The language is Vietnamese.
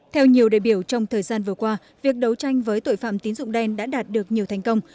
theo nhiều đề biểu trong thời gian vừa qua việc đấu tranh với tội phạm tín dụng đen đã đạt được nhiều thành công